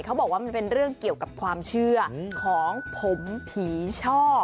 เขาบอกว่ามันเป็นเรื่องเกี่ยวกับความเชื่อของผมผีช่อ